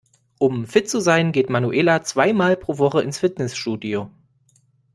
Um fit zu sein geht Manuela zwei mal pro Woche ins Fitnessstudio.